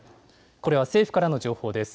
これは政府からの情報です。